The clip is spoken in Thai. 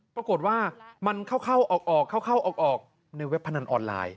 ปรากฏว่ามันเข้าออกเข้าออกในเว็บพนันออนไลน์